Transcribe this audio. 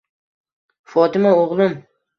Fotima, o'g'lim.